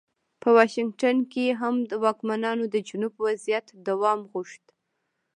په واشنګټن کې هم واکمنانو د جنوب وضعیت دوام غوښت.